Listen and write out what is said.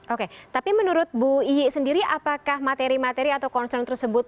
oke tapi menurut bu iyi sendiri apakah materi materi atau concern tersebut